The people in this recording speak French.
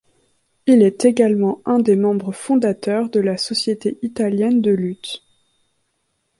Il est également un des membres fondateurs de la Société italienne de luth.